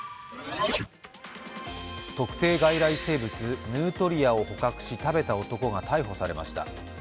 特定外来生物ヌートリアを捕獲し食べた男が逮捕されました。